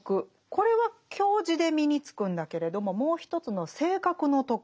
これは教示で身につくんだけれどももう一つの「性格の徳」